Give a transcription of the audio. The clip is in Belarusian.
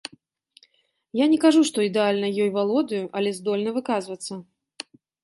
Я не кажу, што ідэальна ёй валодаю, але здольны выказвацца.